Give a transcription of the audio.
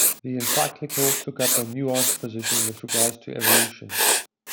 The encyclical took up a nuanced position with regard to evolution.